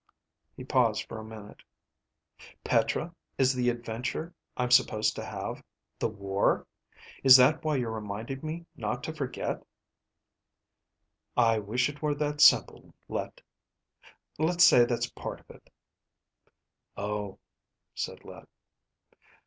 He paused for a minute. "Petra, is the adventure I'm supposed to have, the war? Is that why you're reminding me not to forget?" "I wish it were that simple, Let. Let's say that's part of it." "Oh," said Let.